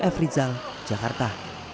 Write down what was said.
f rizal jakarta